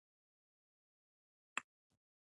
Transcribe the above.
میرویس نیکه پوهنتون دکندهار په سطحه پوهنتون دی